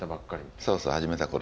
そうそう始めた頃。